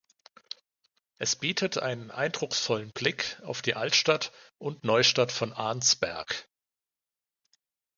Es bietet einen eindrucksvollen Blick auf die Altstadt und Neustadt von Arnsberg.